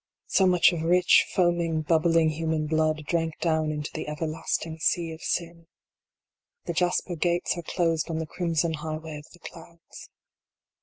So much of rich, foaming, bubbling human blood drank down into the everlasting sea of Sin, The jasper gates are closed on the crimson highway of the clouds.